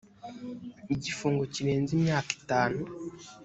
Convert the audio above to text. igifungo kirenze imyaka itanu